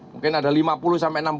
mungkin ada lima puluh sampai enam puluh